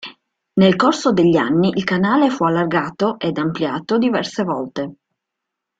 Nel corso degli anni il canale fu allargato ed ampliato diverse volte.